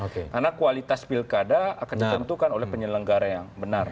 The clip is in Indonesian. karena kualitas pilkada akan ditentukan oleh penyelenggara yang benar